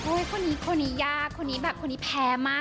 โอ้ยคนนี้ยากคนนี้แพ้มาก